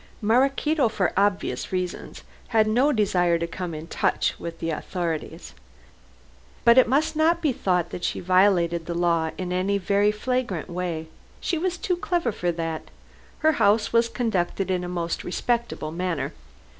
Maraquito, for obvious reasons, had no desire to come into touch with the authorities. But it must not be thought that she violated the law in any very flagrant way. She was too clever for that. Her house was conducted in a most respectable manner.